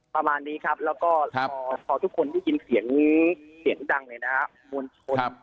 ประมาณนี้ครับแล้วก็พอทุกคนได้ยินเสียงเสียงดังมวลชน